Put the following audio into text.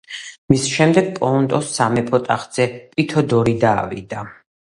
მის შემდეგ პონტოს სამეფო ტახტზე პითოდორიდა ავიდა.